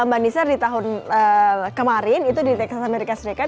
mbak nisar di tahun kemarin itu di texas amerika serikat